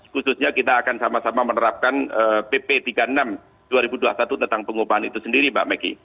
khususnya kita akan sama sama menerapkan pp tiga puluh enam dua ribu dua puluh satu tentang pengupahan itu sendiri mbak meki